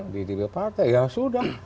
di dpp partai ya sudah